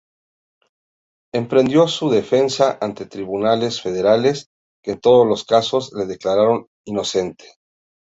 Emprendió su defensa ante tribunales federales que en todos los casos le declararon inocente.